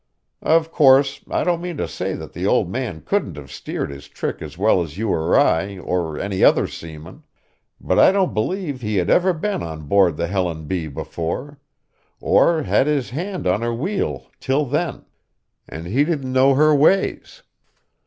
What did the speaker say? Of course, I don't mean to say that the old man couldn't have steered his trick as well as you or I or any other seaman; but I don't believe he had ever been on board the Helen B. before, or had his hand on her wheel till then; and he didn't know her ways.